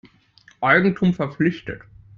Eigentum verpflichtet.